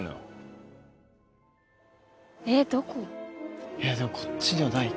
えっどこ？